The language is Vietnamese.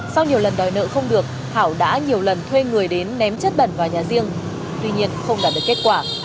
sau nhiều lần đòi nợ không được thảo đã nhiều lần thuê người đến ném chất bẩn vào nhà riêng tuy nhiên không đạt được kết quả